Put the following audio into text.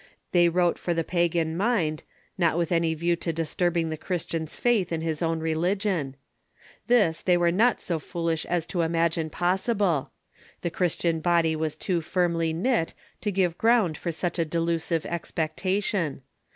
They wrote for the pagan mind, not with any view to dis Christianity ^m.^jj^g, ^he Christian's faith in his own religion. Triumphant o ... This they were not so foolish as to imagine 2)0ssible. The Christian body was too firmly knit to give ground for such a delusive expectation.